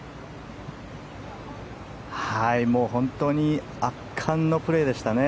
本当に圧巻のプレーでしたね。